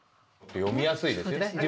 読みやすいですよね。